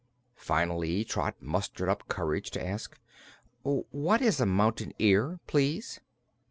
Finally Trot mustered up courage to ask: "What is a Mountain Ear, please?"